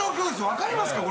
分かりますか？